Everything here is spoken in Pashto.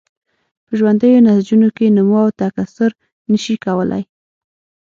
په ژوندیو نسجونو کې نمو او تکثر نشي کولای.